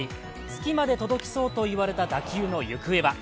月まで届きそうと言われた打球の行方は。